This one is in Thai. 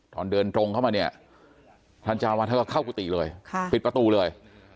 ตอนเดินตรงเข้ามาเนี่ยท่านเจ้าวาดท่านก็เข้ากุฏิเลยปิดประตูเลย